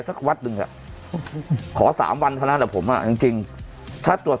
สักวัดหนึ่งอ่ะขอสามวันเท่านั้นแหละผมอ่ะจริงจริงถ้าตรวจ